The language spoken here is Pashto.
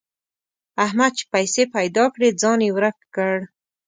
احمد چې پیسې پيدا کړې؛ ځان يې ورک کړ.